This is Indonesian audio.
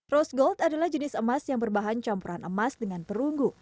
roast gold adalah jenis emas yang berbahan campuran emas dengan perunggu